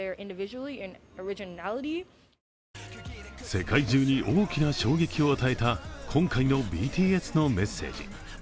世界中に大きな衝撃を与えた今回のＢＴＳのメッセージ。